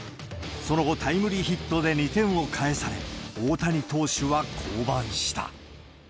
その後、タイムリーヒットで２点を返され、大谷投手は降板した。